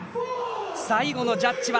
最後のジャッジは。